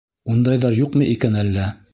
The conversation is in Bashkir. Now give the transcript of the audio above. Ундайҙар юҡмы икән әллә?